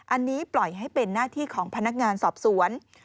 อันนี้ปล่อยให้เป็นหน้าที่ของพนักงานสอบสวน